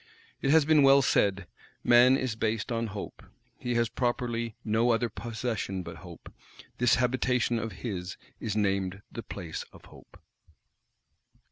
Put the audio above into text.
It has been well said: "Man is based on Hope; he has properly no other possession but Hope; this habitation of his is named the Place of Hope."